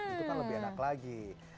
itu kan lebih enak lagi